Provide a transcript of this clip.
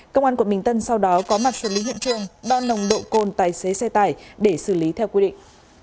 công an quận bình tân sau đó có mặt xử lý hiện trường đo nồng độ cồn tài xế xe tải để xử lý theo quy định